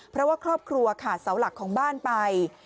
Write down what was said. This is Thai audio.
เพราะว่าครอบครัวขาดเสาหลักของบ้านไป